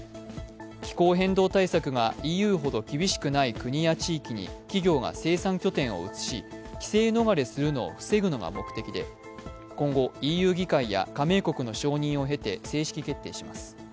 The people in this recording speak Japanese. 気候変動対策がＥＵほど厳しくない国や地域に企業が生産拠点を移し規制逃れするのを防ぐのが目的で今後、ＥＵ議会や加盟国の承認を経て正式決定します。